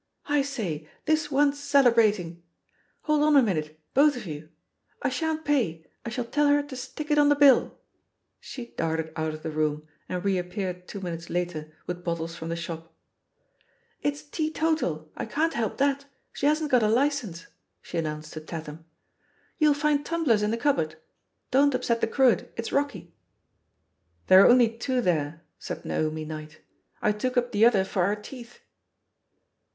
I say, this wants celebrating. Hold on a minute, both of you I I shan't pay, I shall tell her to stick it on the bill." She darted out of the room, and reappeared two minutes 74 IHE POSITION OF PEGGY HARPER later with bottles from the shop. "It's teetotal — I can't help that, she hasn't got a licence I" she announced to Tatham. "You'll find tumblers in the cupboard — don't upset the cruet, it's rocky." "There are only two there," said Naomi Knight; "I took up the other for our teeth."